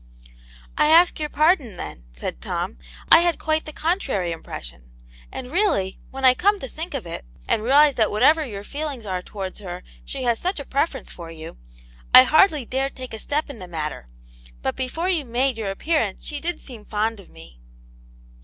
" I ask your pardon, then," said Tom. " I had quite the contrary impression. And really, when I come to think of it, and realize that whatever your feelings are towards her, she has such a preference for you, I hardly dare to take a step in the matter. But before you made your appearance she did seem fond of me."